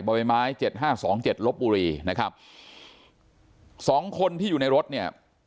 บะไว้ไม้๗๕๒๗รบบุรีนะครับสองคนที่อยู่ในรถเนี่ย